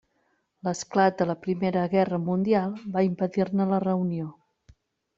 L'esclat de la Primera Guerra Mundial va impedir-ne la reunió.